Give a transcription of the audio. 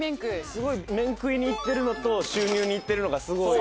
すごい面食いにいってるのと収入にいってるのがすごい。